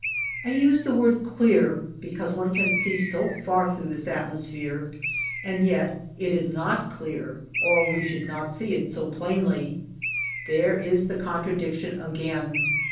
I use the word '^ clear " because one can see so far through this atmosphere, and yet it is not clear or we should not see it so plainly, There is the contradiction again.